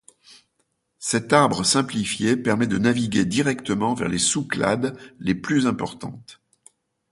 Cet arbre simplifié permet de naviguer directement vers les sous-clades les plus importantes.